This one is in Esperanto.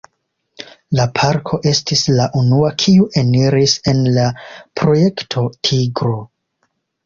La parko estis la unua kiu eniris en la Projekto Tigro.